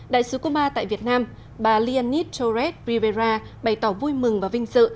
đại sứ cuba tại việt nam bà lianis torres rivera bày tỏ vui mừng và vinh dự